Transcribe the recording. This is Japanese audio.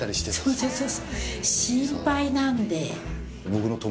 そうそうそう。